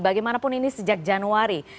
bagaimanapun ini sejak januari